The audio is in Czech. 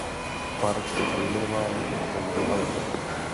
Park byl pojmenován po svém zakladateli.